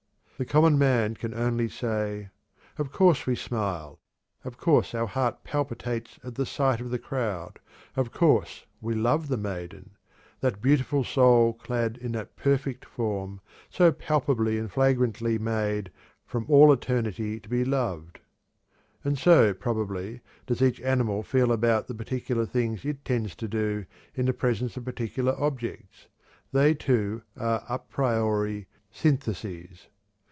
The common man can only say, 'Of course we smile, of course our heart palpitates at the sight of the crowd, of course we love the maiden that beautiful soul clad in that perfect form, so palpably and flagrantly made from all eternity to be loved!' And so, probably, does each animal feel about the particular things it tends to do in the presence of particular objects. They, too, are a priori syntheses.